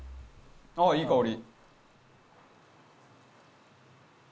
あっいい香り！